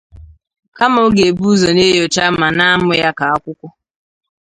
kama ọ ga-ebu ụzọ na-enyocha ma na-amụ ya ka akwụkwọ